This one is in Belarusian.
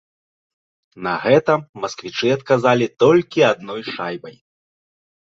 На гэта масквічы адказалі толькі адной шайбай.